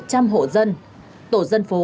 một trăm linh hộ dân tổ dân phố